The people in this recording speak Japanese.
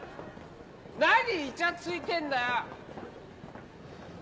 何イチャついてんだよ！